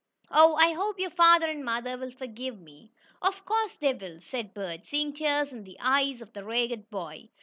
Oh, I hope your father and mother will forgive me." "Of course they will," said Bert, seeing tears in the eyes of the ragged boy.